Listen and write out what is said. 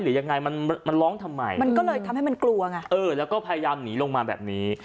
หรือยังไงมันมันร้องทำไมมันก็เลยทำให้มันกลัวไงเออแล้วก็พยายามหนีลงมาแบบนี้